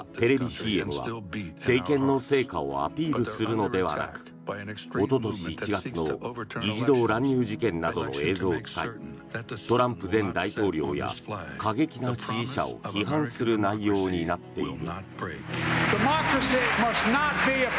ＣＭは政権の成果をアピールするのではなくおととし１月の議事堂乱入事件などの映像を使いトランプ前大統領や過激な支持者を批判する内容になっている。